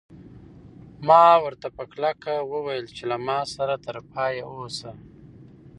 ما ورته په کلکه وویل چې له ما سره تر پایه اوسه.